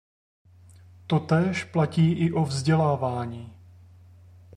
Totéž platí i o vzdělávání.